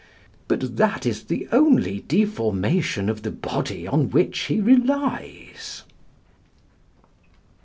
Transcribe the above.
But that is the only deformation of the body on which he relies.